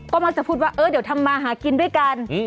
ก็มักจะพูดว่าเออเดี๋ยวทำมาหากินด้วยกัน